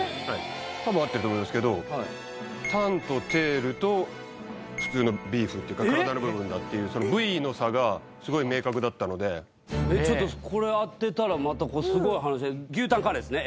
たぶん合ってると思いますけどたんとテールと普通のビーフっていうか体の部分だっていうその部位の差がすごい明確だったのでえっちょっとこれ当てたらまたこれすごい話で牛たんカレーですね？